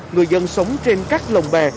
người dân sống trên các lồng bè